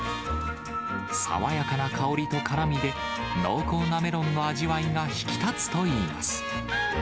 爽やかな香りと辛みで、濃厚なメロンの味わいが引き立つといいます。